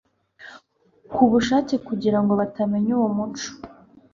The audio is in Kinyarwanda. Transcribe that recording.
ku bushake kugira ngo batamenya uwo mucyo…